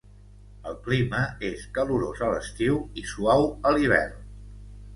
El clima és calorós a l'estiu i suau a l'hivern.